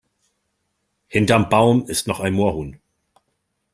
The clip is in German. Hinterm Baum ist noch ein Moorhuhn!